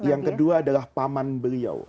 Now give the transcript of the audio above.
yang kedua adalah paman beliau